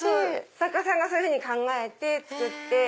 作家さんがそういうふうに考えて作って。